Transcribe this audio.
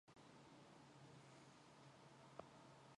Болсон явдлын тухай та хэнд ч яриагүй юу?